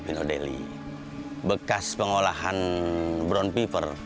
pemerintah itu adalah bekas pengolahan brown paper